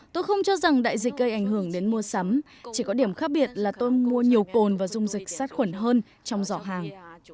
tôi không cho rằng đại dịch gây ảnh hưởng đến mua sắm chỉ có điểm khác biệt là tôi mua nhiều cồn và dung dịch sát khuẩn hơn trong giọ hàng